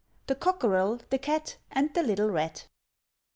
THE COCKEREL, THE CAT, AND THE LITTLE RAT.